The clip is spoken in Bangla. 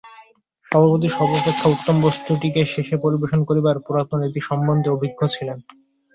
সভাপতি সর্বাপেক্ষা উত্তম বস্তুটিকে শেষে পরিবেশন করিবার পুরাতন রীতি সম্বন্ধে অভিজ্ঞ ছিলেন।